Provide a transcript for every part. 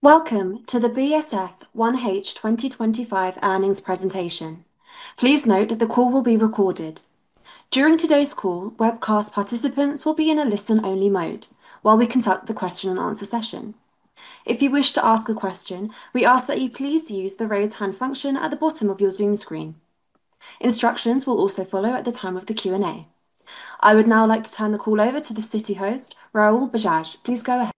Welcome to the BSF 1H 2025 earnings presentation. Please note that the call will be recorded. During today's call, webcast participants will be in a listen-only mode while we conduct the question-and-answer session. If you wish to ask a question, we ask that you please use the raise hand function at the bottom of your Zoom screen. Instructions will also follow at the time of the Q&A. I would now like to turn the call over to the Citi host, Rahul Bajaj. Please go ahead.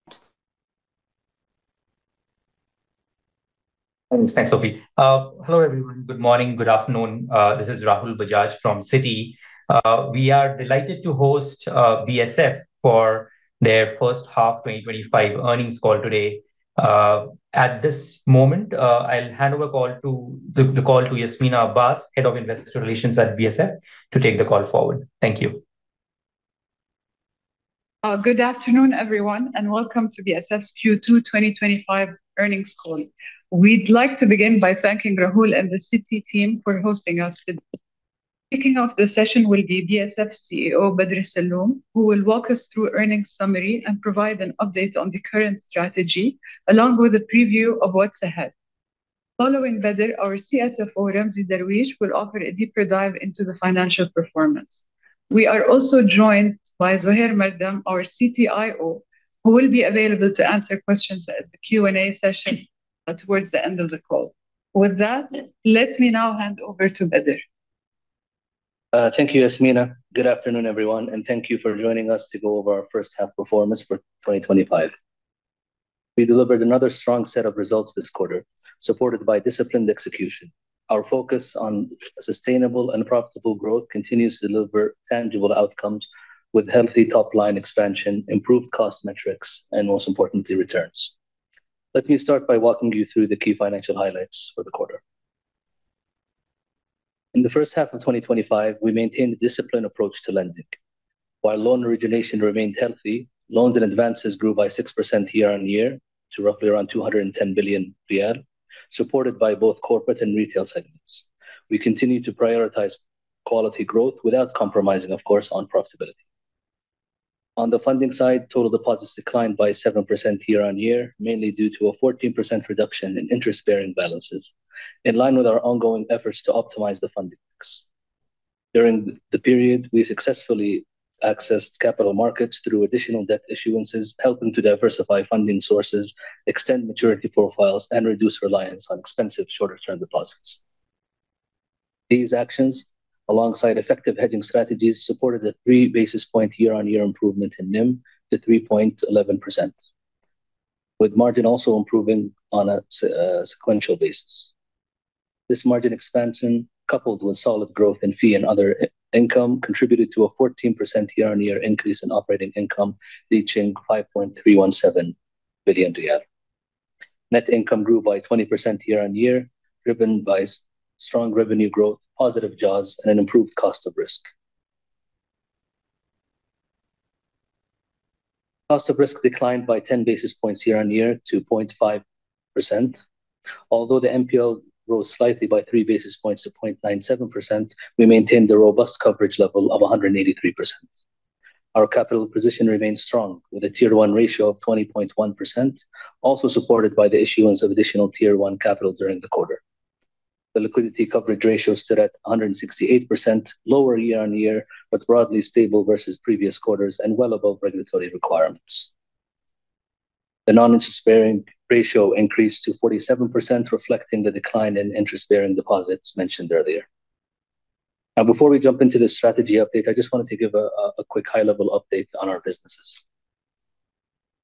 Thanks, Sophie. Hello, everyone. Good morning. Good afternoon. This is Rahul Bajaj from Citi. We are delighted to host BSF for their first half 2025 earnings call today. At this moment, I will hand over the call to Yasminah Abbas, Head of Investor Relations at BSF, to take the call forward. Thank you. Good afternoon, everyone. Welcome to BSF's Q2 2025 earnings call. We would like to begin by thanking Rahul and the Citi team for hosting us today. Kicking off the session will be BSF CEO, Bader Alsalloom, who will walk us through earnings summary and provide an update on the current strategy, along with a preview of what is ahead. Following Bader, our CSFO, Ramzy Darwish, will offer a deeper dive into the financial performance. We are also joined by Zuhair Mardam, our CTIO, who will be available to answer questions at the Q&A session towards the end of the call. Let me now hand over to Bader. Thank you, Yasmeen. Good afternoon, everyone. Thank you for joining us to go over our first half performance for 2025. We delivered another strong set of results this quarter, supported by disciplined execution. Our focus on sustainable and profitable growth continues to deliver tangible outcomes with healthy top-line expansion, improved cost metrics, and most importantly, returns. Let me start by walking you through the key financial highlights for the quarter. In the first half of 2025, we maintained a disciplined approach to lending. While loan origination remained healthy, loans and advances grew by 6% year-on-year to roughly around 210 billion riyal, supported by both corporate and retail segments. We continue to prioritize quality growth without compromising, of course, on profitability. On the funding side, total deposits declined by 7% year-on-year, mainly due to a 14% reduction in interest-bearing balances, in line with our ongoing efforts to optimize the funding mix. During the period, we successfully accessed capital markets through additional debt issuances, helping to diversify funding sources, extend maturity profiles, and reduce reliance on expensive shorter term deposits. These actions, alongside effective hedging strategies, supported a 3 basis point year-on-year improvement in NIM to 3.11%, with margin also improving on a sequential basis. This margin expansion, coupled with solid growth in fee and other income, contributed to a 14% year-on-year increase in operating income, reaching 5.317 billion riyal. Net income grew by 20% year-on-year, driven by strong revenue growth, positive jaws, and an improved cost of risk. Cost of risk declined by 10 basis points year-on-year to 0.5%. Although the NPL rose slightly by 3 basis points to 0.97%, we maintained a robust coverage level of 183%. Our capital position remains strong with a Tier 1 ratio of 20.1%, also supported by the issuance of additional Tier 1 capital during the quarter. The liquidity coverage ratio stood at 168%, lower year-on-year, but broadly stable versus previous quarters and well above regulatory requirements. The non-interest-bearing ratio increased to 47%, reflecting the decline in interest-bearing deposits mentioned earlier. Before we jump into the strategy update, I just wanted to give a quick high-level update on our businesses.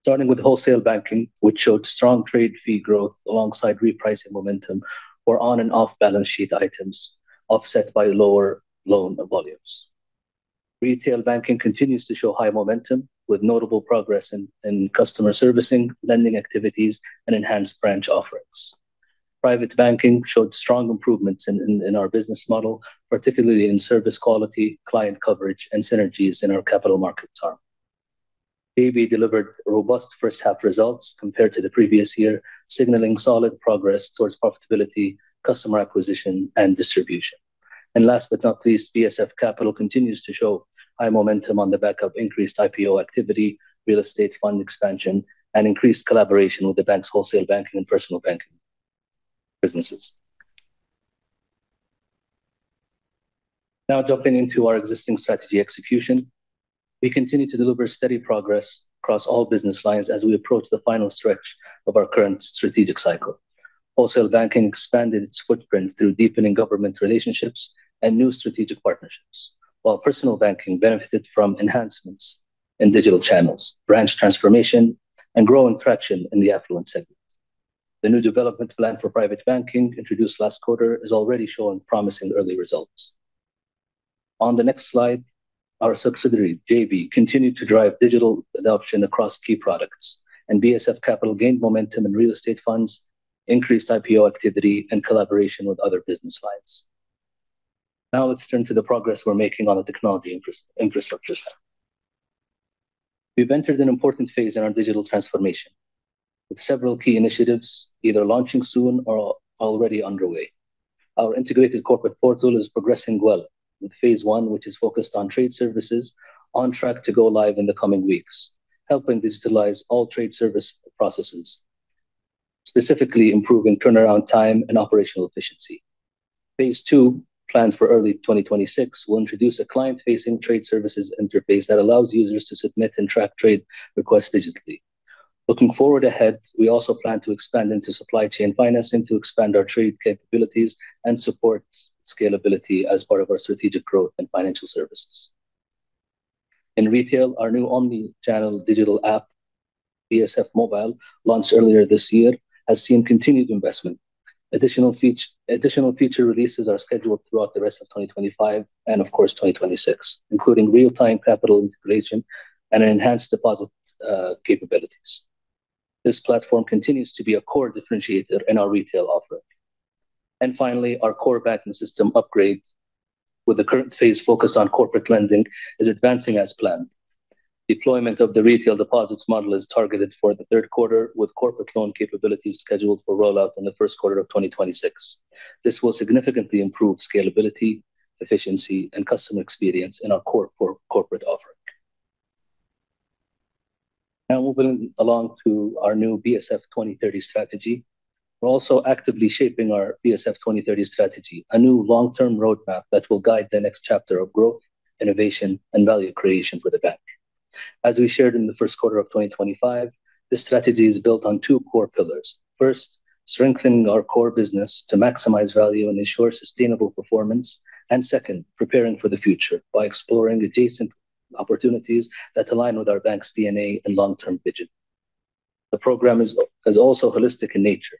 Starting with Wholesale Banking, which showed strong trade fee growth alongside repricing momentum for on and off-balance sheet items offset by lower loan volumes. Retail Banking continues to show high momentum with notable progress in customer servicing, lending activities, and enhanced branch offerings. Private Banking showed strong improvements in our business model, particularly in service quality, client coverage, and synergies in our capital markets arm. JB delivered robust first half results compared to the previous year, signaling solid progress towards profitability, customer acquisition, and distribution. Last but not least, BSF Capital continues to show high momentum on the back of increased IPO activity, real estate fund expansion, and increased collaboration with the bank's Wholesale Banking and Personal Banking businesses. Jumping into our existing strategy execution. We continue to deliver steady progress across all business lines as we approach the final stretch of our current strategic cycle. Wholesale Banking expanded its footprint through deepening government relationships and new strategic partnerships. While Personal Banking benefited from enhancements in digital channels, branch transformation, and growing traction in the affluent segment. The new development plan for Private Banking, introduced last quarter, is already showing promising early results. On the next slide, our subsidiary, JB, continued to drive digital adoption across key products, and BSF Capital gained momentum in real estate funds, increased IPO activity, and collaboration with other business lines. Let's turn to the progress we're making on the technology infrastructure side. We've entered an important phase in our digital transformation, with several key initiatives either launching soon or already underway. Our integrated corporate portal is progressing well, with phase 1, which is focused on trade services, on track to go live in the coming weeks, helping digitalize all trade service processes, specifically improving turnaround time and operational efficiency. Phase 2, planned for early 2026, will introduce a client-facing trade services interface that allows users to submit and track trade requests digitally. Looking forward ahead, we also plan to expand into supply chain financing to expand our trade capabilities and support scalability as part of our strategic growth and financial services. In retail, our new omni-channel digital app, BSF Mobile, launched earlier this year, has seen continued investment. Additional feature releases are scheduled throughout the rest of 2025, and of course 2026, including real-time capital integration and enhanced deposit capabilities. This platform continues to be a core differentiator in our retail offering. Finally, our core banking system upgrade with the current phase focused on corporate lending, is advancing as planned. Deployment of the retail deposits model is targeted for the third quarter, with corporate loan capabilities scheduled for rollout in the first quarter of 2026. This will significantly improve scalability, efficiency, and customer experience in our corporate offering. Moving along to our new BSF 2030 Strategy. We're also actively shaping our BSF 2030 Strategy, a new long-term roadmap that will guide the next chapter of growth, innovation, and value creation for the bank. As we shared in the first quarter of 2025, this strategy is built on two core pillars. First, strengthening our core business to maximize value and ensure sustainable performance. Second, preparing for the future by exploring adjacent opportunities that align with our bank's DNA and long-term vision. The program is also holistic in nature,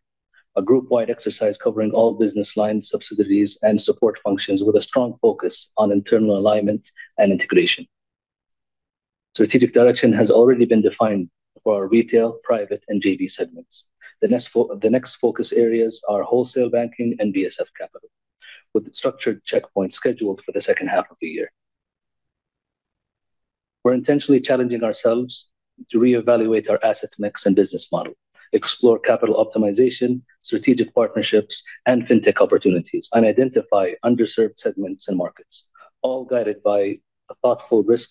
a group-wide exercise covering all business lines, subsidiaries, and support functions with a strong focus on internal alignment and integration. Strategic direction has already been defined for our retail, private, and JV segments. The next focus areas are wholesale banking and BSF Capital, with structured checkpoints scheduled for the second half of the year. We're intentionally challenging ourselves to reevaluate our asset mix and business model, explore capital optimization, strategic partnerships and fintech opportunities, and identify underserved segments and markets, all guided by a thoughtful risk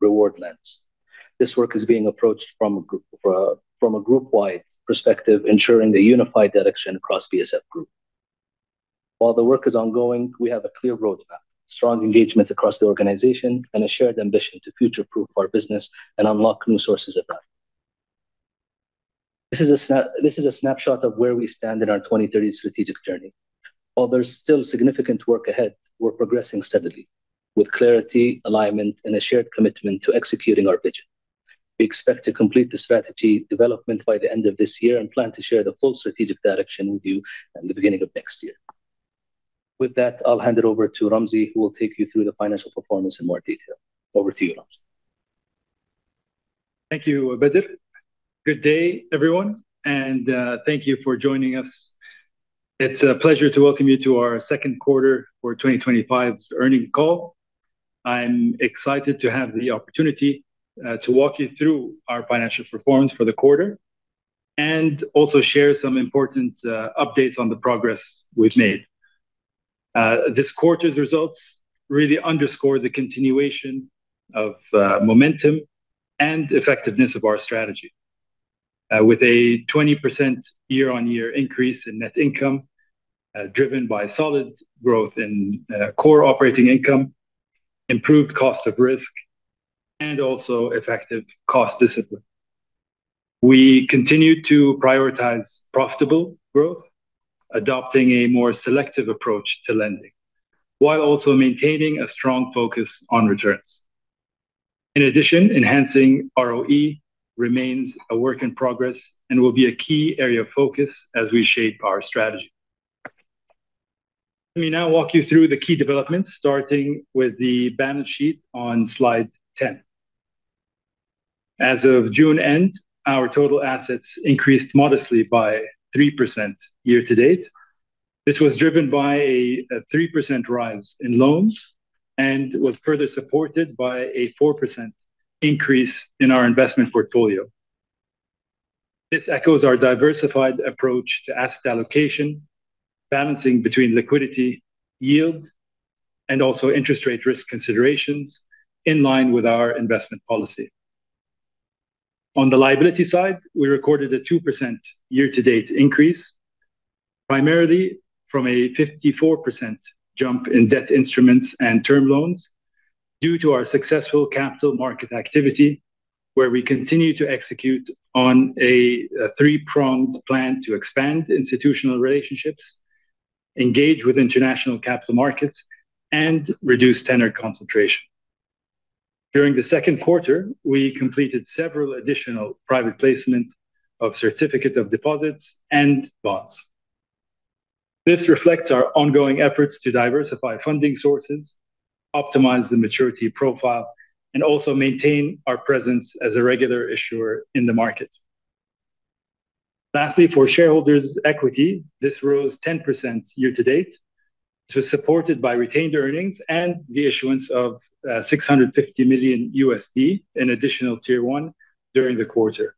reward lens. This work is being approached from a group-wide perspective, ensuring a unified direction across BSF Group. While the work is ongoing, we have a clear roadmap, strong engagement across the organization, and a shared ambition to future-proof our business and unlock new sources of value. This is a snapshot of where we stand in our 2030 strategic journey. While there's still significant work ahead, we're progressing steadily with clarity, alignment, and a shared commitment to executing our vision. We expect to complete the strategy development by the end of this year and plan to share the full strategic direction with you in the beginning of next year. With that, I'll hand it over to Ramzy, who will take you through the financial performance in more detail. Over to you, Ramzy. Thank you, Bader. Good day, everyone, and thank you for joining us. It's a pleasure to welcome you to our second quarter for 2025's earnings call. I'm excited to have the opportunity to walk you through our financial performance for the quarter and also share some important updates on the progress we've made. This quarter's results really underscore the continuation of momentum and effectiveness of our strategy, with a 20% year-on-year increase in net income, driven by solid growth in core operating income, improved cost of risk, and also effective cost discipline. We continue to prioritize profitable growth, adopting a more selective approach to lending, while also maintaining a strong focus on returns. In addition, enhancing ROE remains a work in progress and will be a key area of focus as we shape our strategy. Let me now walk you through the key developments, starting with the balance sheet on slide 10. As of June end, our total assets increased modestly by 3% year-to-date. This was driven by a 3% rise in loans and was further supported by a 4% increase in our investment portfolio. This echoes our diversified approach to asset allocation, balancing between liquidity, yield, and also interest rate risk considerations in line with our investment policy. On the liability side, we recorded a 2% year-to-date increase, primarily from a 54% jump in debt instruments and term loans due to our successful capital market activity, where we continue to execute on a three-pronged plan to expand institutional relationships, engage with international capital markets, and reduce tenured concentration. During the second quarter, we completed several additional private placement of certificates of deposit and bonds. This reflects our ongoing efforts to diversify funding sources, optimize the maturity profile, and also maintain our presence as a regular issuer in the market. Lastly, for shareholders' equity, this rose 10% year-to-date to support it by retained earnings and the issuance of $650 million in additional Tier 1 during the quarter.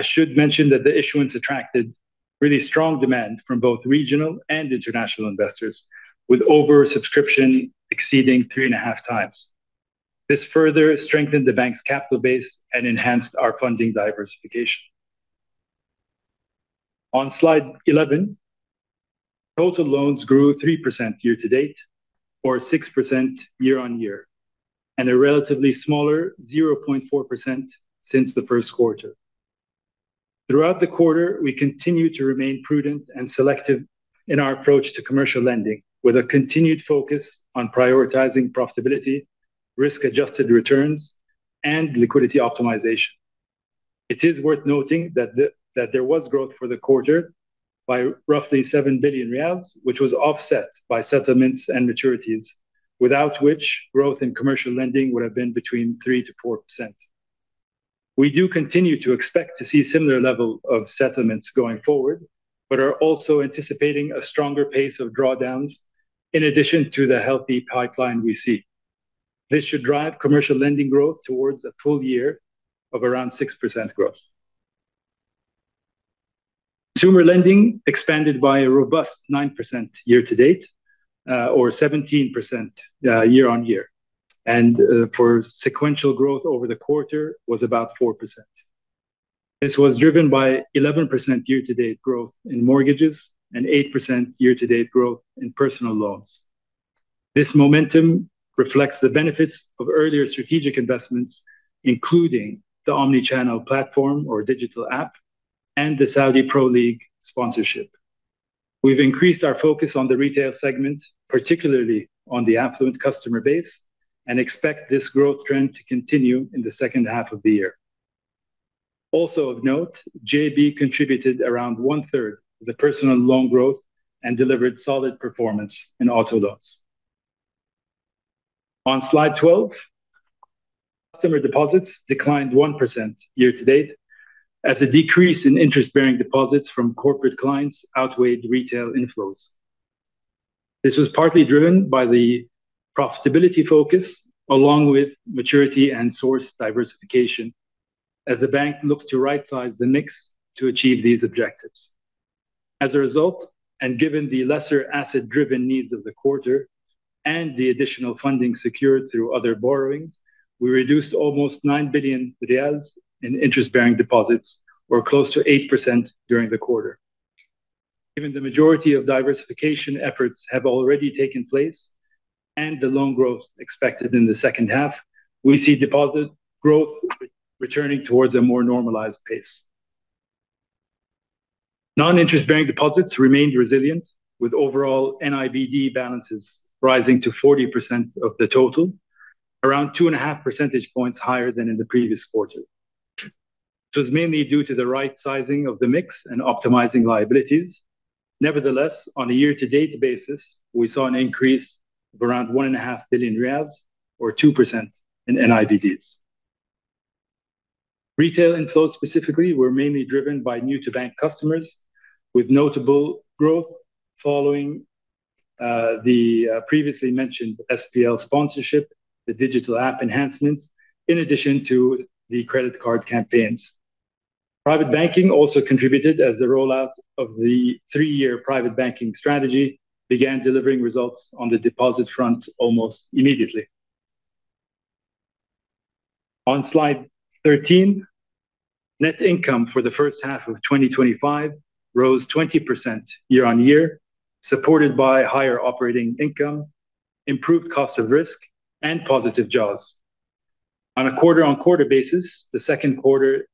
I should mention that the issuance attracted really strong demand from both regional and international investors, with oversubscription exceeding 3.5 times. This further strengthened the bank's capital base and enhanced our funding diversification. On slide 11, total loans grew 3% year-to-date, or 6% year-on-year, and a relatively smaller 0.4% since the first quarter. Throughout the quarter, we continued to remain prudent and selective in our approach to commercial lending, with a continued focus on prioritizing profitability, risk-adjusted returns, and liquidity optimization. It is worth noting that there was growth for the quarter by roughly 7 billion riyals, which was offset by settlements and maturities, without which growth in commercial lending would have been between 3%-4%. We do continue to expect to see similar level of settlements going forward, but are also anticipating a stronger pace of drawdowns in addition to the healthy pipeline we see. This should drive commercial lending growth towards a full year of around 6% growth. Consumer lending expanded by a robust 9% year-to-date, or 17% year-on-year, and for sequential growth over the quarter was about 4%. This was driven by 11% year-to-date growth in mortgages and 8% year-to-date growth in personal loans. This momentum reflects the benefits of earlier strategic investments, including the omni-channel platform or BSF Mobile and the Saudi Pro League sponsorship. We've increased our focus on the retail segment, particularly on the affluent customer base, and expect this growth trend to continue in the second half of the year. Also of note, JB contributed around one third to the personal loan growth and delivered solid performance in auto loans. On slide 12, customer deposits declined 1% year-to-date as a decrease in interest-bearing deposits from corporate clients outweighed retail inflows. This was partly driven by the profitability focus, along with maturity and source diversification, as the bank looked to rightsize the mix to achieve these objectives. As a result, given the lesser asset driven needs of the quarter and the additional funding secured through other borrowings, we reduced almost 9 billion riyals in interest-bearing deposits, or close to 8% during the quarter. Given the majority of diversification efforts have already taken place and the loan growth expected in the second half, we see deposit growth returning towards a more normalized pace. Non-interest-bearing deposits remained resilient, with overall NIBD balances rising to 40% of the total, around two and a half percentage points higher than in the previous quarter, which was mainly due to the rightsizing of the mix and optimizing liabilities. Nevertheless, on a year-to-date basis, we saw an increase of around SAR 1.5 billion or 2% in NIBDs. Retail inflows specifically were mainly driven by new to bank customers, with notable growth following the previously mentioned SPL sponsorship, the digital app enhancements, in addition to the credit card campaigns. Private banking also contributed as the rollout of the three-year private banking strategy began delivering results on the deposit front almost immediately. On slide 13, net income for the first half of 2025 rose 20% year-on-year, supported by higher operating income, improved cost of risk and positive jaws. On a quarter-on-quarter basis, the second quarter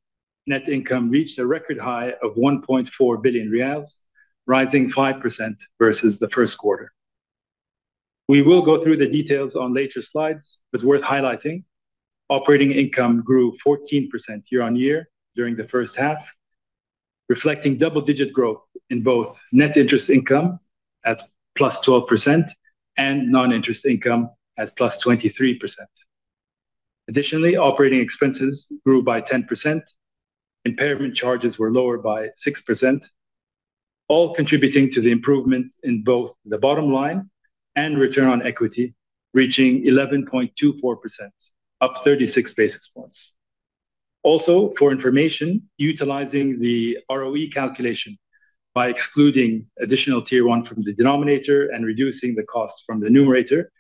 net income reached a record high of 1.4 billion riyals, rising 5% versus the first quarter. We will go through the details on later slides, worth highlighting, operating income grew 14% year-on-year during the first half, reflecting double digit growth in both net interest income at +12% and non-interest income at +23%. Additionally, operating expenses grew by 10%. Impairment charges were lower by 6%, all contributing to the improvement in both the bottom line and return on equity, reaching 11.24%, up 36 basis points. Also, for information, utilizing the ROE calculation by excluding additional Tier 1 from the denominator and reducing the cost from the numerator,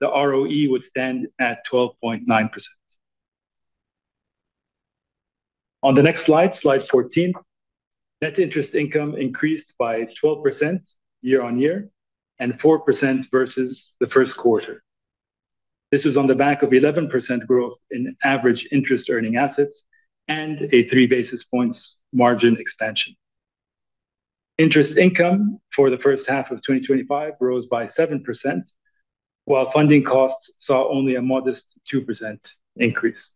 the ROE would stand at 12.9%. On the next slide 14, net interest income increased by 12% year-on-year and 4% versus the first quarter. This was on the back of 11% growth in average interest earning assets and a three basis points margin expansion. Interest income for the first half of 2025 rose by 7%, while funding costs saw only a modest 2% increase.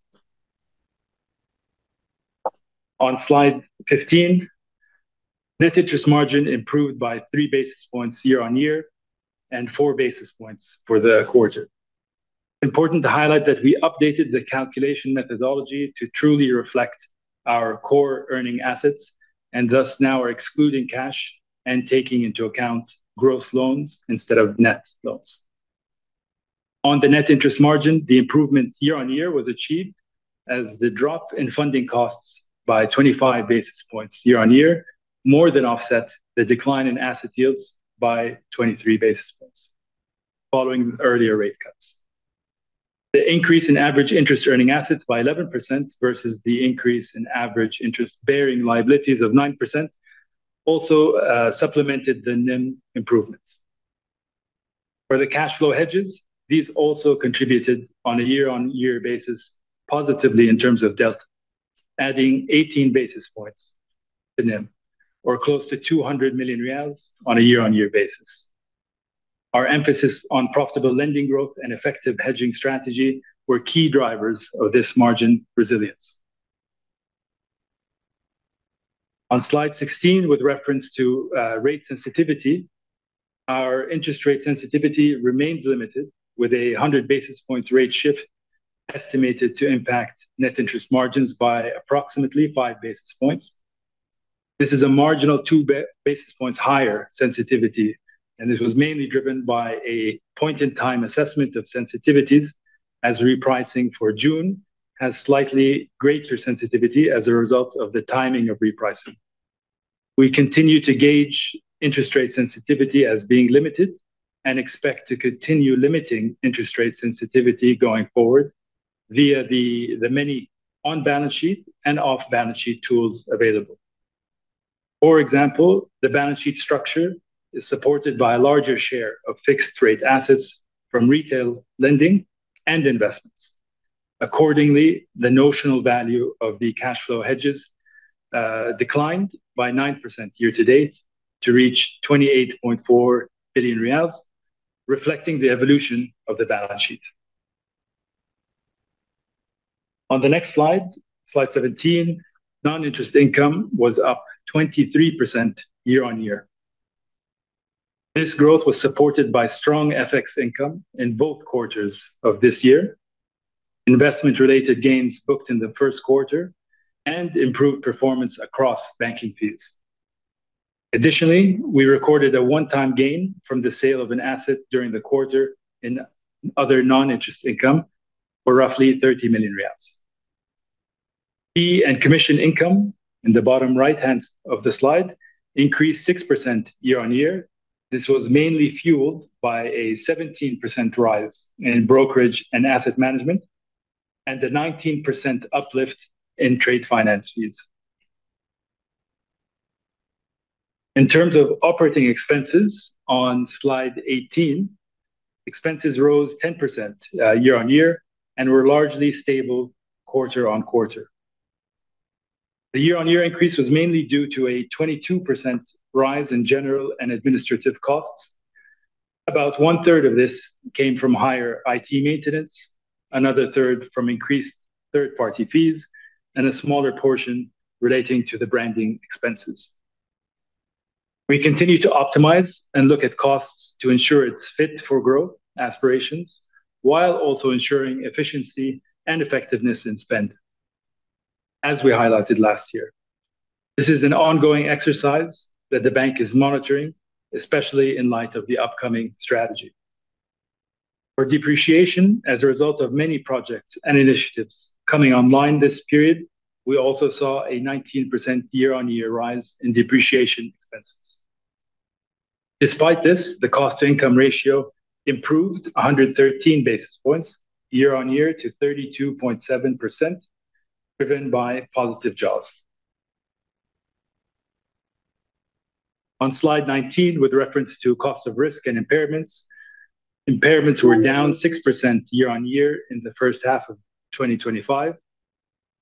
On slide 15, net interest margin improved by three basis points year-on-year and four basis points for the quarter. Important to highlight that we updated the calculation methodology to truly reflect our core earning assets and thus now are excluding cash and taking into account gross loans instead of net loans. On the net interest margin, the improvement year on year was achieved as the drop in funding costs by 25 basis points year on year more than offset the decline in asset yields by 23 basis points following earlier rate cuts. The increase in average interest earning assets by 11% versus the increase in average interest bearing liabilities of 9% also supplemented the NIM improvements. For the cash flow hedges, these also contributed on a year on year basis positively in terms of delta, adding 18 basis points to NIM, or close to 200 million riyals on a year on year basis. Our emphasis on profitable lending growth and effective hedging strategy were key drivers of this margin resilience. On slide 16, with reference to rate sensitivity, our interest rate sensitivity remains limited, with 100 basis points rate shift estimated to impact net interest margins by approximately five basis points. This is a marginal two basis points higher sensitivity, this was mainly driven by a point in time assessment of sensitivities as repricing for June has slightly greater sensitivity as a result of the timing of repricing. We continue to gauge interest rate sensitivity as being limited and expect to continue limiting interest rate sensitivity going forward via the many on balance sheet and off balance sheet tools available. For example, the balance sheet structure is supported by a larger share of fixed rate assets from retail lending and investments. Accordingly, the notional value of the cash flow hedges declined by 9% year to date to reach SAR 28.4 billion, reflecting the evolution of the balance sheet. On the next slide 17, non-interest income was up 23% year on year. This growth was supported by strong FX income in both quarters of this year, investment related gains booked in the first quarter, and improved performance across banking fees. Additionally, we recorded a one-time gain from the sale of an asset during the quarter in other non-interest income for roughly SAR 30 million. Fee and commission income, in the bottom right hand of the slide, increased 6% year on year. This was mainly fueled by a 17% rise in brokerage and asset management, and a 19% uplift in trade finance fees. In terms of operating expenses, on slide 18, expenses rose 10% year on year and were largely stable quarter-over-quarter. The year on year increase was mainly due to a 22% rise in general and administrative costs. About one third of this came from higher IT maintenance, another third from increased third party fees, a smaller portion relating to the branding expenses. We continue to optimize and look at costs to ensure it's fit for growth aspirations, while also ensuring efficiency and effectiveness in spend, as we highlighted last year. This is an ongoing exercise that the bank is monitoring, especially in light of the upcoming strategy. For depreciation, as a result of many projects and initiatives coming online this period, we also saw a 19% year on year rise in depreciation expenses. Despite this, the cost to income ratio improved 113 basis points year on year to 32.7%, driven by positive jaws. On slide 19, with reference to cost of risk and impairments were down 6% year on year in the first half of 2025.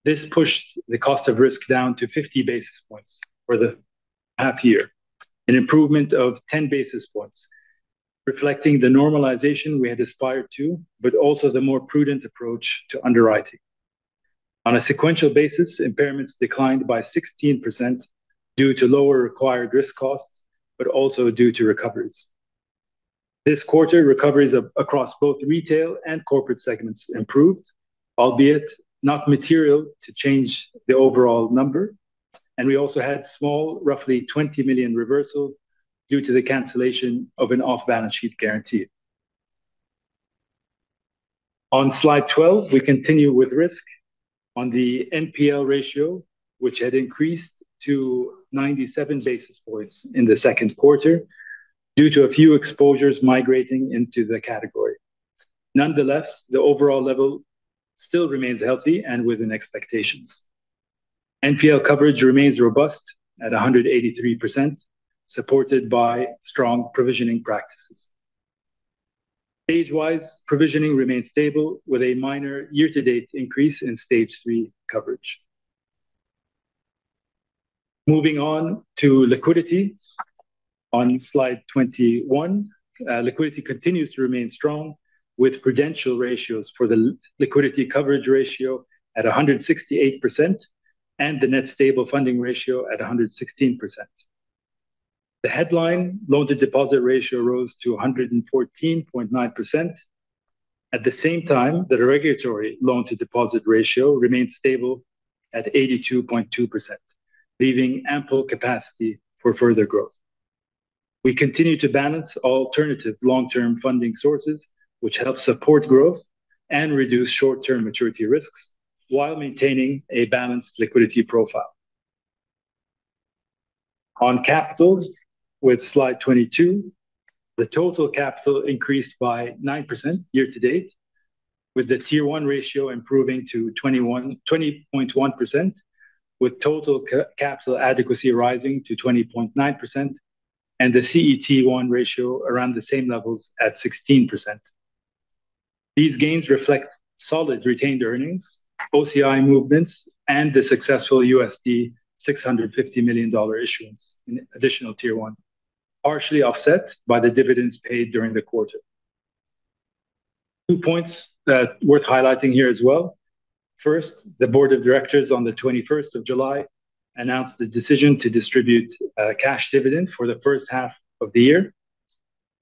This pushed the cost of risk down to 50 basis points for the half year, an improvement of 10 basis points, reflecting the normalization we had aspired to, but also the more prudent approach to underwriting. On a sequential basis, impairments declined by 16% due to lower required risk costs, but also due to recoveries. This quarter, recoveries across both retail and corporate segments improved, albeit not material to change the overall number. We also had small, roughly 20 million reversal due to the cancellation of an off-balance sheet guarantee. On slide 12, we continue with risk on the NPL ratio, which had increased to 97 basis points in the second quarter due to a few exposures migrating into the category. Nonetheless, the overall level still remains healthy and within expectations. NPL coverage remains robust at 183%, supported by strong provisioning practices. Stage-wise, provisioning remains stable with a minor year to date increase in stage 3 coverage. Moving on to liquidity. On slide 21, liquidity continues to remain strong with prudential ratios for the liquidity coverage ratio at 168% and the net stable funding ratio at 116%. The headline loan to deposit ratio rose to 114.9%. At the same time, the regulatory loan to deposit ratio remained stable at 82.2%, leaving ample capacity for further growth. We continue to balance alternative long-term funding sources, which help support growth and reduce short-term maturity risks while maintaining a balanced liquidity profile. On capital, with slide 22, the total capital increased by 9% year to date, with the Tier 1 ratio improving to 20.1%, with total capital adequacy rising to 20.9%, and the CET1 ratio around the same levels at 16%. These gains reflect solid retained earnings, OCI movements, and the successful USD $650 million issuance in additional Tier 1, partially offset by the dividends paid during the quarter. Two points that worth highlighting here as well. First, the board of directors on the 21st of July announced the decision to distribute a cash dividend for the first half of the year.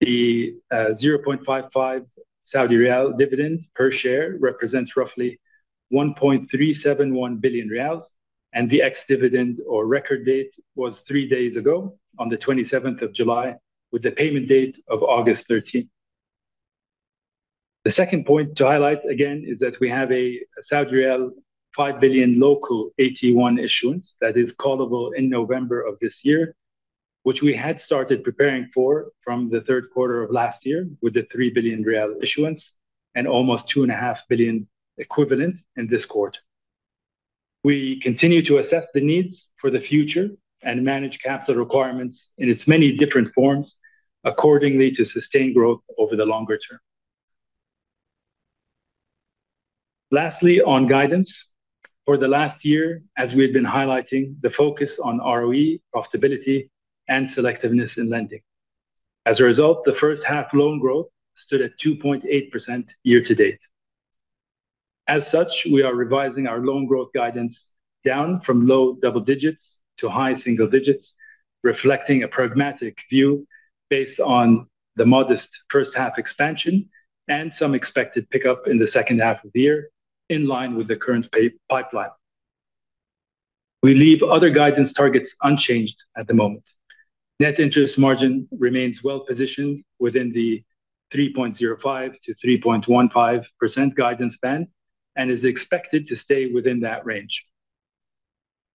The 0.55 Saudi riyal dividend per share represents roughly SAR 1.371 billion, and the ex-dividend or record date was three days ago, on the 27th of July, with the payment date of August 13th. The second point to highlight, again, is that we have a Saudi riyal 5 billion local AT1 issuance that is callable in November of this year, which we had started preparing for from the third quarter of last year with the SAR 3 billion issuance and almost two and a half billion equivalent in this quarter. We continue to assess the needs for the future and manage capital requirements in its many different forms accordingly to sustain growth over the longer term. Lastly, on guidance. For the last year, as we had been highlighting, the focus on ROE, profitability, and selectiveness in lending. As a result, the first half loan growth stood at 2.8% year to date. As such, we are revising our loan growth guidance down from low double digits to high single digits, reflecting a pragmatic view based on the modest first half expansion and some expected pickup in the second half of the year in line with the current pipeline. We leave other guidance targets unchanged at the moment. Net interest margin remains well positioned within the 3.05%-3.15% guidance band and is expected to stay within that range.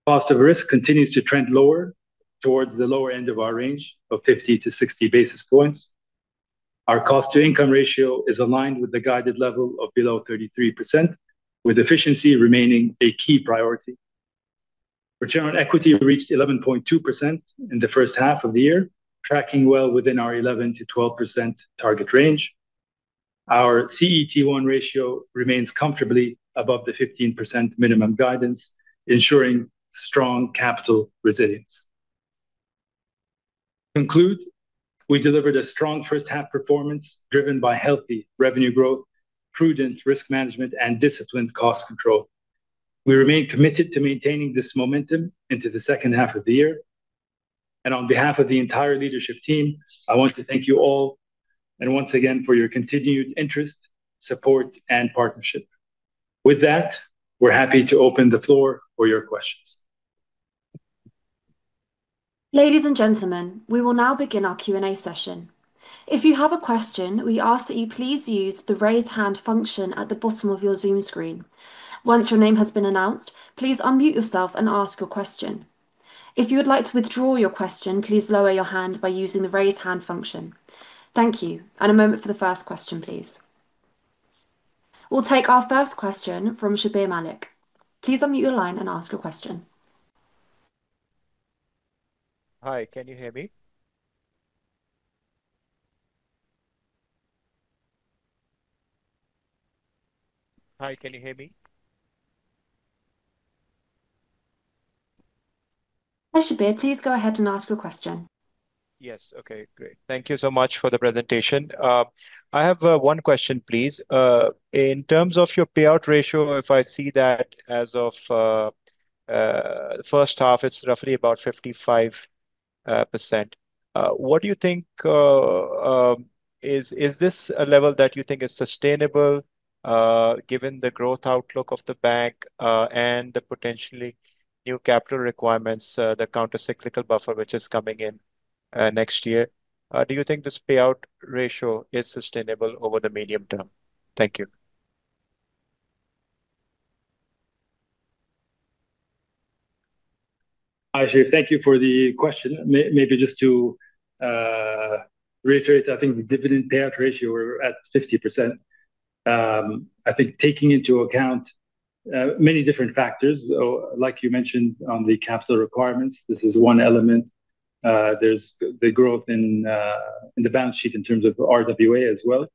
Cost of risk continues to trend lower towards the lower end of our range of 50 to 60 basis points. Our cost-to-income ratio is aligned with the guided level of below 33%, with efficiency remaining a key priority. Return on equity reached 11.2% in the first half of the year, tracking well within our 11%-12% target range. Our CET1 ratio remains comfortably above the 15% minimum guidance, ensuring strong capital resilience. To conclude, we delivered a strong first half performance driven by healthy revenue growth, prudent risk management, and disciplined cost control. We remain committed to maintaining this momentum into the second half of the year. On behalf of the entire leadership team, I want to thank you all, and once again for your continued interest, support, and partnership. With that, we're happy to open the floor for your questions. Ladies and gentlemen, we will now begin our Q&A session. If you have a question, we ask that you please use the raise hand function at the bottom of your Zoom screen. Once your name has been announced, please unmute yourself and ask your question. If you would like to withdraw your question, please lower your hand by using the raise hand function. Thank you. A moment for the first question, please. We'll take our first question from Shabbir Malik. Please unmute your line and ask your question. Hi, can you hear me? Hi, Shabbir. Please go ahead and ask your question. Yes. Okay, great. Thank you so much for the presentation. I have one question, please. In terms of your payout ratio, if I see that as of first half, it is roughly about 55%. Is this a level that you think is sustainable, given the growth outlook of the bank, and the potentially new capital requirements, the countercyclical buffer, which is coming in next year? Do you think this payout ratio is sustainable over the medium term? Thank you. Hi, Shabbir. Thank you for the question. Maybe just to reiterate, I think the dividend payout ratio, we are at 50%. I think taking into account many different factors, like you mentioned on the capital requirements, this is one element. There is the growth in the balance sheet in terms of RWA as well.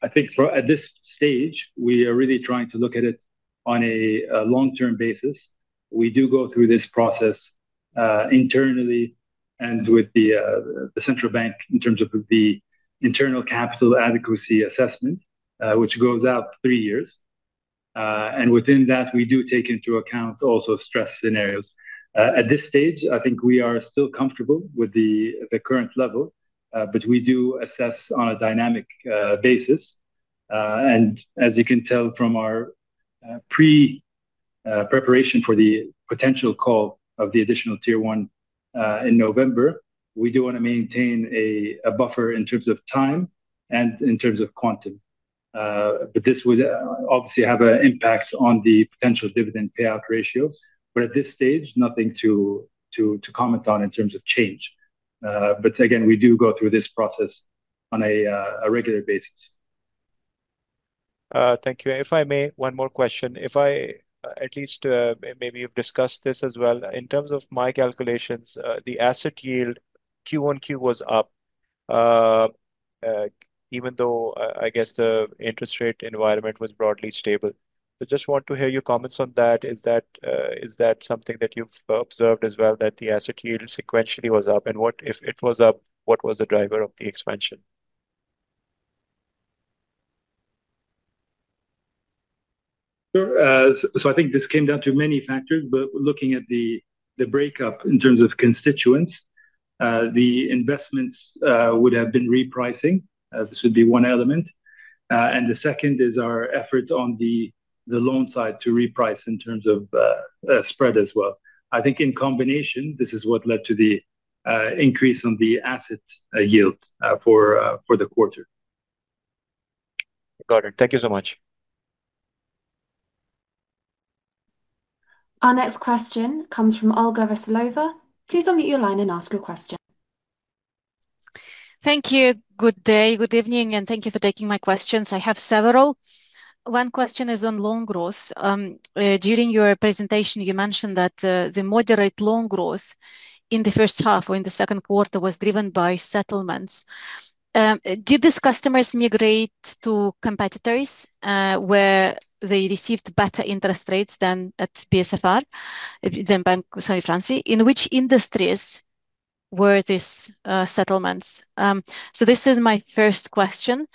I think at this stage, we are really trying to look at it on a long-term basis. We do go through this process internally and with the central bank in terms of the internal capital adequacy assessment, which goes out three years. Within that, we do take into account also stress scenarios. At this stage, I think we are still comfortable with the current level, but we do assess on a dynamic basis. As you can tell from our pre Preparation for the potential call of the additional Tier 1 in November. We do want to maintain a buffer in terms of time and in terms of quantum. This would obviously have an impact on the potential dividend payout ratio. At this stage, nothing to comment on in terms of change. Again, we do go through this process on a regular basis. Thank you. If I may, one more question. If I, at least, maybe you've discussed this as well. In terms of my calculations, the asset yield Q1Q was up, even though, I guess the interest rate environment was broadly stable. Just want to hear your comments on that. Is that something that you've observed as well, that the asset yield sequentially was up? If it was up, what was the driver of the expansion? Sure. I think this came down to many factors, but looking at the breakup in terms of constituents, the investments would have been repricing. This would be one element. The second is our effort on the loan side to reprice in terms of spread as well. I think in combination, this is what led to the increase on the asset yield for the quarter. Got it. Thank you so much. Our next question comes from Olga Russlova. Please unmute your line and ask your question. Thank you. Good day. Good evening, and thank you for taking my questions. I have several. One question is on loan growth. During your presentation, you mentioned that the moderate loan growth in the first half or in the second quarter was driven by settlements. Did these customers migrate to competitors, where they received better interest rates than at BSF, than Banque Saudi Fransi? In which industries were these settlements? This is my first question.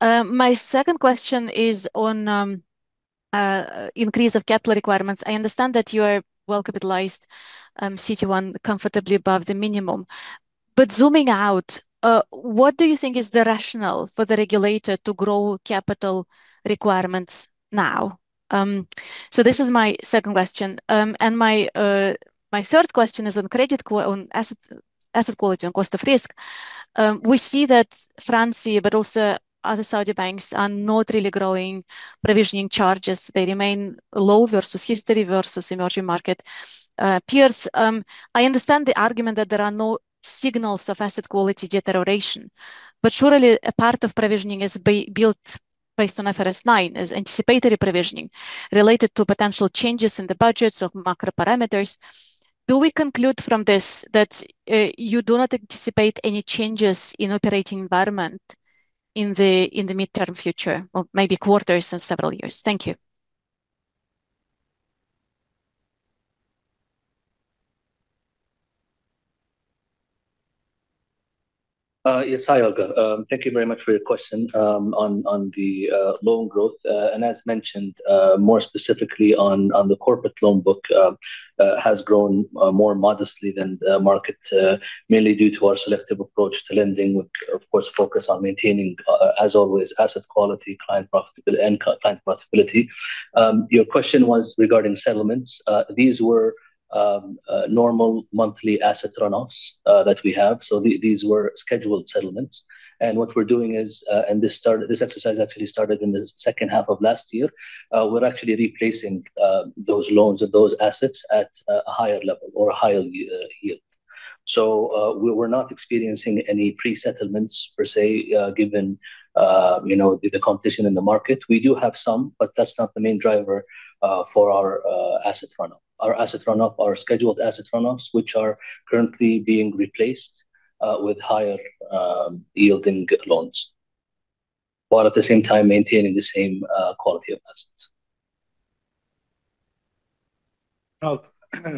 My second question is on increase of capital requirements. I understand that you are well-capitalized, CET1 comfortably above the minimum. Zooming out, what do you think is the rational for the regulator to grow capital requirements now? This is my second question. My third question is on asset quality and cost of risk. We see that Fransi, but also other Saudi banks, are not really growing provisioning charges. They remain low versus history, versus emerging market peers. I understand the argument that there are no signals of asset quality deterioration, surely a part of provisioning is built based on IFRS 9, as anticipatory provisioning, related to potential changes in the budgets of macro parameters. Do we conclude from this that you do not anticipate any changes in operating environment in the mid-term future, or maybe quarters and several years? Thank you. Yes. Hi, Olga. Thank you very much for your question on the loan growth. As mentioned more specifically on the corporate loan book, has grown more modestly than the market, mainly due to our selective approach to lending, which, of course, focus on maintaining, as always, asset quality and client profitability. Your question was regarding settlements. These were normal monthly asset runoffs that we have, these were scheduled settlements. What we're doing is, this exercise actually started in the second half of last year, we're actually replacing those loans or those assets at a higher level or a higher yield. We're not experiencing any pre-settlements per se, given the competition in the market. We do have some, that's not the main driver for our asset runoff. Our asset runoff are scheduled asset runoffs, which are currently being replaced with higher yielding loans, while at the same time maintaining the same quality of assets.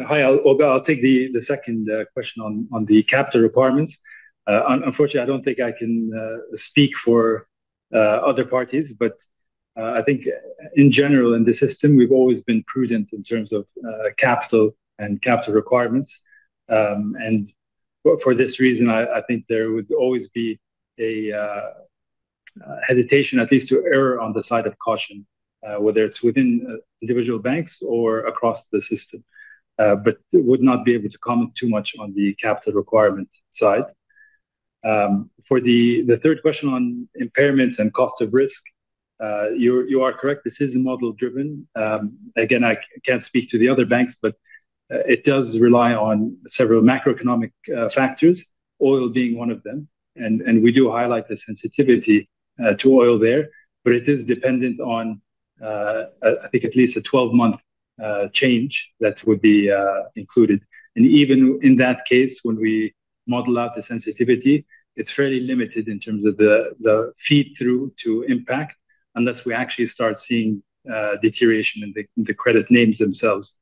Hi, Olga. I'll take the second question on the capital requirements. Unfortunately, I don't think I can speak for other parties, I think in general, in the system, we've always been prudent in terms of capital and capital requirements. For this reason, I think there would always be a hesitation, at least to err on the side of caution, whether it's within individual banks or across the system. Would not be able to comment too much on the capital requirement side. For the third question on impairments and cost of risk, you are correct, this is model-driven. Again, I can't speak to the other banks, it does rely on several macroeconomic factors, oil being one of them. We do highlight the sensitivity to oil there, but it is dependent on, I think at least a 12-month change that would be included. Even in that case, when we model out the sensitivity, it's fairly limited in terms of the feed-through to impact, unless we actually start seeing deterioration in the credit names themselves.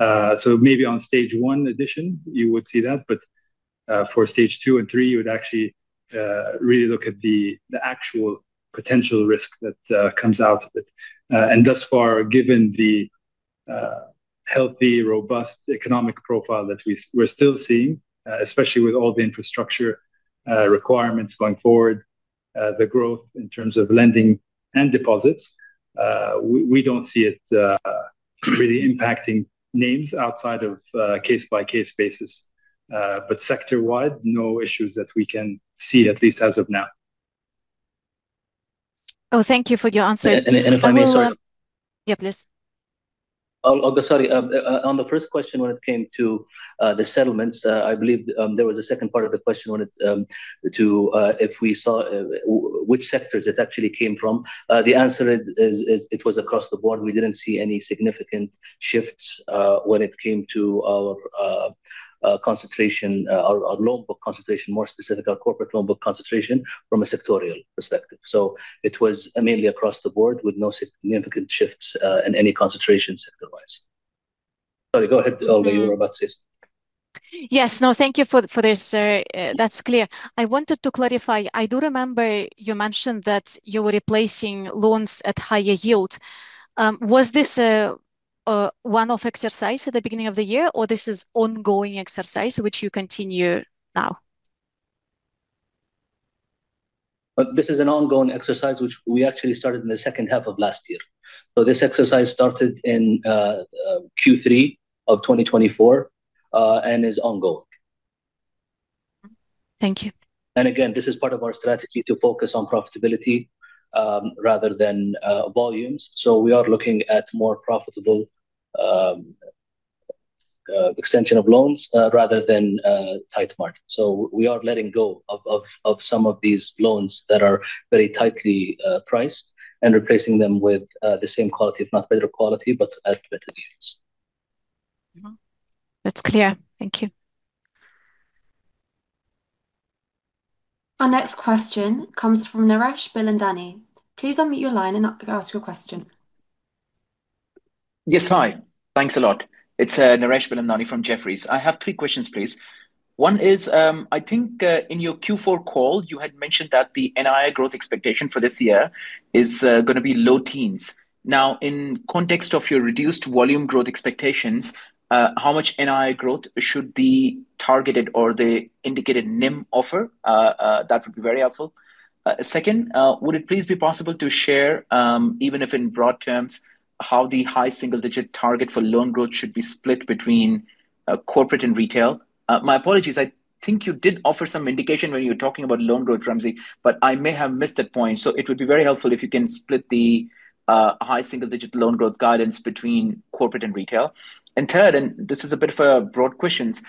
Maybe on stage 1 addition, you would see that, but for stage 2 and 3, you would actually really look at the actual potential risk that comes out of it. Thus far, given the healthy, robust economic profile that we're still seeing, especially with all the infrastructure requirements going forward The growth in terms of lending and deposits, we don't see it really impacting names outside of a case-by-case basis. Sector-wide, no issues that we can see, at least as of now. Thank you for your answers. If I may, sorry. Yeah, please. Olga, sorry. On the first question, when it came to the settlements, I believe there was a second part of the question, if we saw which sectors it actually came from. The answer is, it was across the board. We didn't see any significant shifts when it came to our concentration, our loan book concentration, more specifically our corporate loan book concentration from a sectorial perspective. It was mainly across the board with no significant shifts in any concentration sector-wise. Sorry, go ahead, Olga. You were about to say something. Yes. No, thank you for this. That's clear. I wanted to clarify, I do remember you mentioned that you were replacing loans at higher yield. Was this a one-off exercise at the beginning of the year, or this is ongoing exercise which you continue now? This is an ongoing exercise, which we actually started in the second half of last year. This exercise started in Q3 of 2024, and is ongoing. Thank you. Again, this is part of our strategy to focus on profitability rather than volumes. We are looking at more profitable extension of loans rather than tight margin. We are letting go of some of these loans that are very tightly priced and replacing them with the same quality, if not better quality, but at better yields. That's clear. Thank you. Our next question comes from Naresh Bilani. Please unmute your line and ask your question. Yes. Hi. Thanks a lot. It's Naresh Bilani from Jefferies. I have three questions, please. One is, I think in your Q4 call, you had mentioned that the NII growth expectation for this year is going to be low teens. In context of your reduced volume growth expectations, how much NII growth should the targeted or the indicated NIM offer? That would be very helpful. Second, would it please be possible to share, even if in broad terms, how the high single-digit target for loan growth should be split between corporate and retail? My apologies. I think you did offer some indication when you were talking about loan growth, Ramzy, I may have missed that point. It would be very helpful if you can split the high single-digit loan growth guidance between corporate and retail. Third, and this is a bit of a broad questions.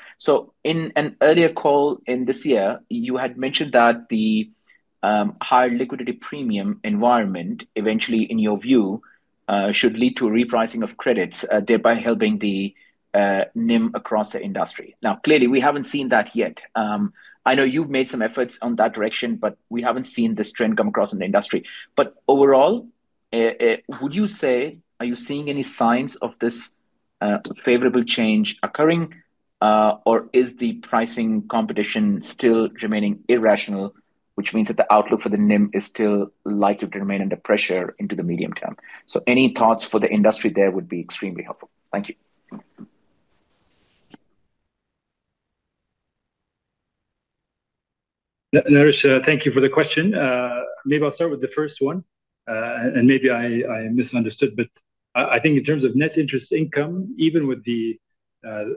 In an earlier call in this year, you had mentioned that the higher liquidity premium environment eventually, in your view, should lead to a repricing of credits, thereby helping the NIM across the industry. Clearly, we haven't seen that yet. I know you've made some efforts on that direction, we haven't seen this trend come across in the industry. Overall, would you say, are you seeing any signs of this favorable change occurring? Is the pricing competition still remaining irrational, which means that the outlook for the NIM is still likely to remain under pressure into the medium term? Any thoughts for the industry there would be extremely helpful. Thank you. Naresh, thank you for the question. Maybe I'll start with the first one, maybe I misunderstood, I think in terms of net interest income, even with the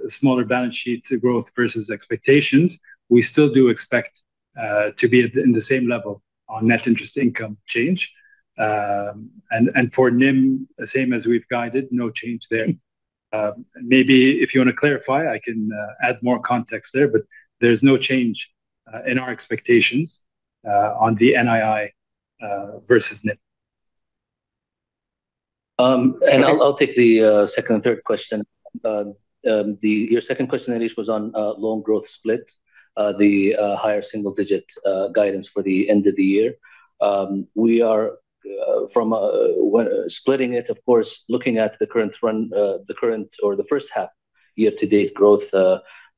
smaller balance sheet growth versus expectations, we still do expect to be in the same level on net interest income change. For NIM, the same as we've guided, no change there. Maybe if you want to clarify, I can add more context there's no change in our expectations on the NII versus NIM. I'll take the second and third question. Your second question, Naresh, was on loan growth split, the higher single-digit guidance for the end of the year. We are from splitting it, of course, looking at the current or the first half year-to-date growth,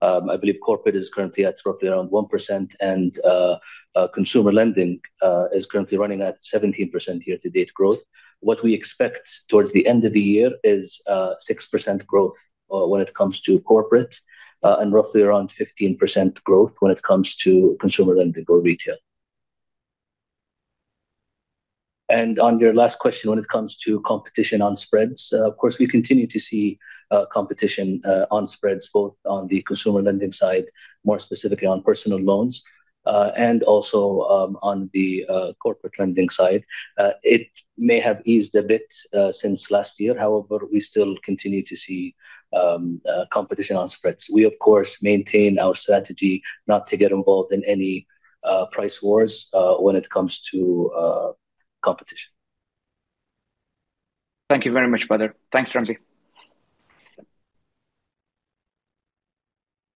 I believe corporate is currently at roughly around 1%, consumer lending is currently running at 17% year-to-date growth. What we expect towards the end of the year is 6% growth when it comes to corporate, roughly around 15% growth when it comes to consumer lending or retail. On your last question, when it comes to competition on spreads, of course, we continue to see competition on spreads, both on the consumer lending side, more specifically on personal loans, and also on the corporate lending side. It may have eased a bit since last year. However, we still continue to see competition on spreads. We, of course, maintain our strategy not to get involved in any price wars when it comes to competition. Thank you very much, brother. Thanks, Ramzy.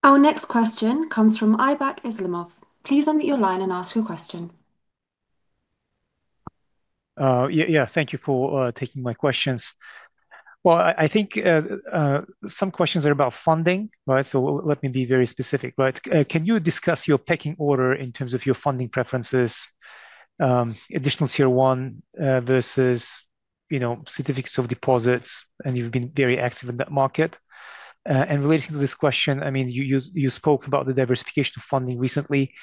Our next question comes from Aybak Islamov. Please unmute your line and ask your question. Yeah. Thank you for taking my questions. Well, I think some questions are about funding, right? Let me be very specific. Can you discuss your pecking order in terms of your funding preferences, additional tier one versus certificates of deposits, and you've been very active in that market. Relating to this question, you spoke about the diversification of funding recently.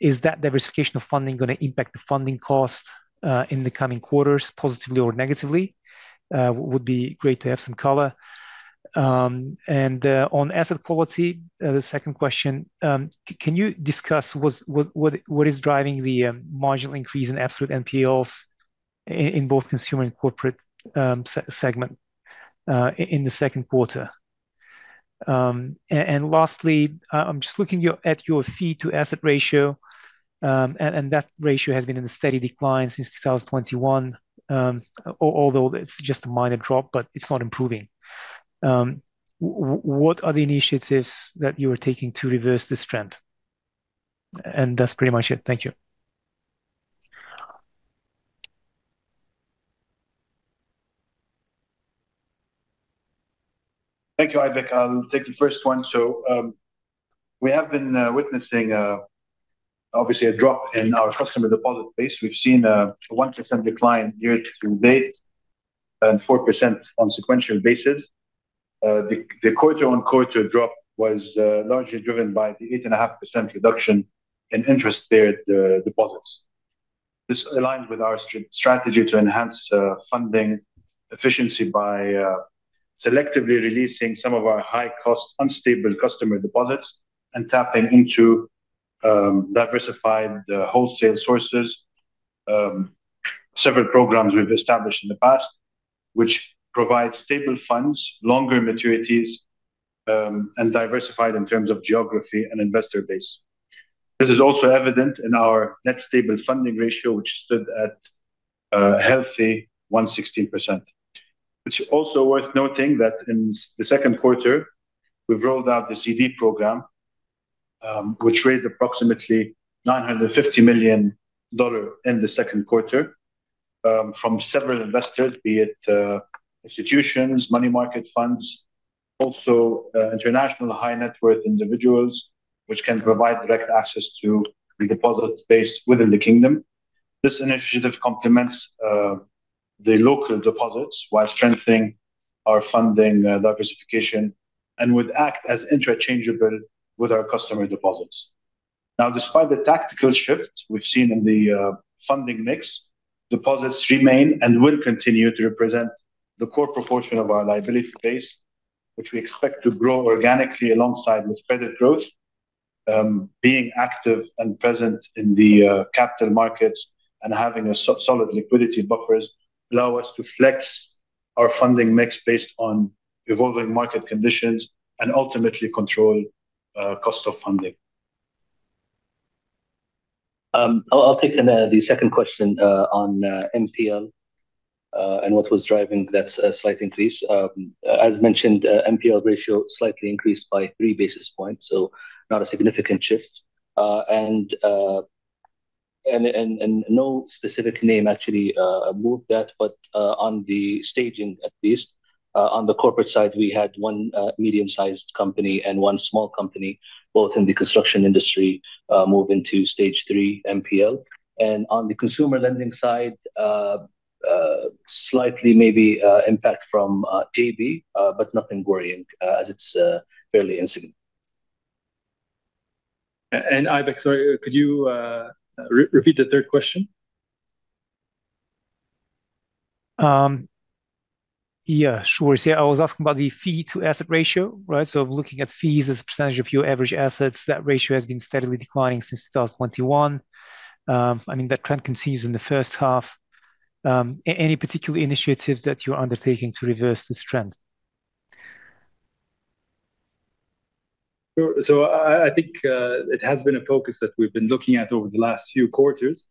Is that diversification of funding going to impact the funding cost in the coming quarters positively or negatively? Would be great to have some color. On asset quality, the second question, can you discuss what is driving the marginal increase in absolute NPLs in both consumer and corporate segment in the second quarter? Lastly, I'm just looking at your fee to asset ratio, and that ratio has been in a steady decline since 2021. Although it's just a minor drop, but it's not improving. What are the initiatives that you are taking to reverse this trend? That's pretty much it. Thank you. Thank you, Aybak. I'll take the first one. We have been witnessing obviously a drop in our customer deposit base. We've seen a 1% decline year-to-date and 4% on sequential basis. The quarter-on-quarter drop was largely driven by the 8 and a half percent reduction in interest-bearing deposits. This aligns with our strategy to enhance funding efficiency by selectively releasing some of our high-cost, unstable customer deposits and tapping into diversified wholesale sources. Several programs we've established in the past, which provide stable funds, longer maturities, and diversified in terms of geography and investor base. This is also evident in our net stable funding ratio, which stood at a healthy 116%. It's also worth noting that in the second quarter we've rolled out the CD program, which raised approximately $950 million in the second quarter from several investors, be it institutions, money market funds, also international high net worth individuals, which can provide direct access to the deposit base within the kingdom. This initiative complements the local deposits while strengthening our funding diversification and would act as interchangeable with our customer deposits. Despite the tactical shift we've seen in the funding mix, deposits remain and will continue to represent the core proportion of our liability base, which we expect to grow organically alongside with credit growth. Being active and present in the capital markets and having a solid liquidity buffers allow us to flex our funding mix based on evolving market conditions and ultimately control cost of funding. I'll take the second question on NPL, and what was driving that slight increase. As mentioned, NPL ratio slightly increased by 3 basis points, so not a significant shift. No specific name actually moved that, but on the staging, at least, on the corporate side, we had one medium-sized company and one small company, both in the construction industry, move into stage 3 NPL. On the consumer lending side, slightly maybe impact from JB, but nothing worrying, as it's fairly insignificant. Aybak, sorry, could you repeat the third question? Yeah, sure. I was asking about the fee to asset ratio, right? Looking at fees as a percentage of your average assets, that ratio has been steadily declining since 2021. That trend continues in the first half. Any particular initiatives that you're undertaking to reverse this trend? I think it has been a focus that we've been looking at over the last few quarters.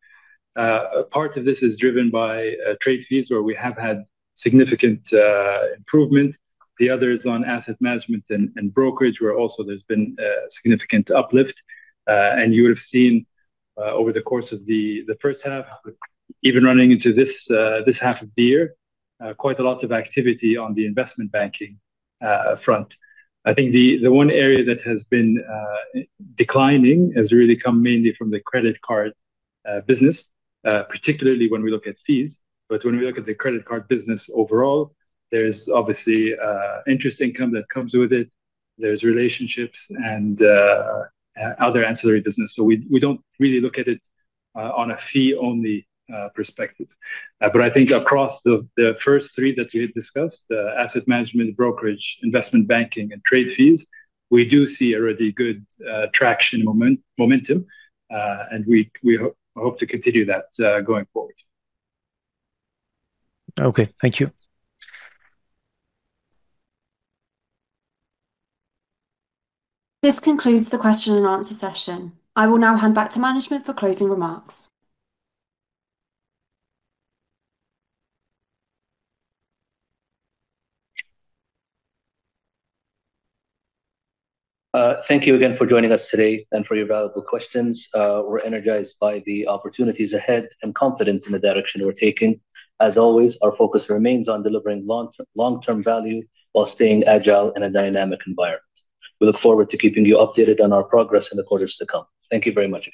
Part of this is driven by trade fees, where we have had significant improvement. The other is on asset management and brokerage, where also there's been a significant uplift. You would've seen over the course of the first half, even running into this half of the year, quite a lot of activity on the investment banking front. I think the one area that has been declining has really come mainly from the credit card business, particularly when we look at fees. When we look at the credit card business overall, there's obviously interest income that comes with it. There's relationships and other ancillary business, so we don't really look at it on a fee-only perspective. I think across the first three that we have discussed, asset management, brokerage, investment banking, and trade fees, we do see a really good traction momentum, and we hope to continue that going forward. Okay. Thank you. This concludes the question and answer session. I will now hand back to management for closing remarks. Thank you again for joining us today and for your valuable questions. We're energized by the opportunities ahead and confident in the direction we're taking. As always, our focus remains on delivering long-term value while staying agile in a dynamic environment. We look forward to keeping you updated on our progress in the quarters to come. Thank you very much again.